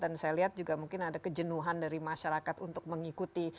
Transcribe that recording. dan saya lihat juga mungkin ada kejenuhan dari masyarakat untuk mengikuti